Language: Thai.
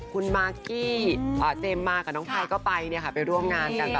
คุณมากกี้เทมมากกระน้องไพก็ไปเนี่ยค่ะไปร่วมงานกัน